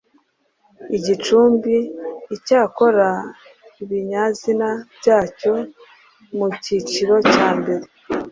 igicumbi; icyakora ibinyazina byo mu kiciro cya mbere